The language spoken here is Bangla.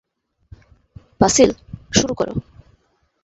বাসিল, শুরু কর।